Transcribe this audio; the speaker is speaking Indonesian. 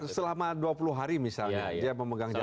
selama dua puluh hari misalnya dia memegang jabatan